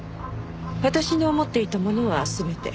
私の持っていたものは全て。